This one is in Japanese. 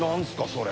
それ。